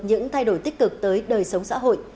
những thay đổi tích cực tới đời sống xã hội